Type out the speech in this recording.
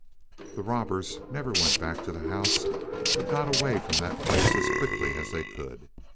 The robbers never went back to the house, but got away from that place as quickly as they could.